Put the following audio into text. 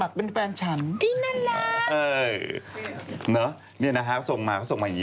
แบบปริศนีก็มี